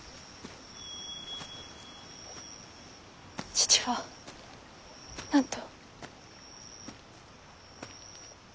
父は何と？